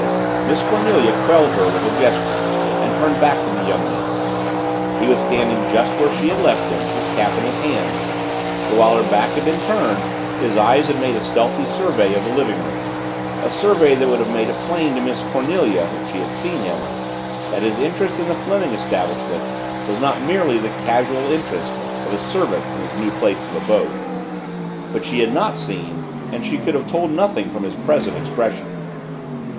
Miss Cornelia quelled her with a gesture and turned back to the young man. He was standing just where she had left him, his cap in his hands but, while her back had been turned, his eyes had made a stealthy survey of the living room a survey that would have made it plain to Miss Cornelia, if she had seen him, that his interest in the Fleming establishment was not merely the casual interest of a servant in his new place of abode. But she had not seen and she could have told nothing from his present expression.